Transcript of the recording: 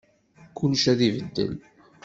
Kullec ad ibeddel.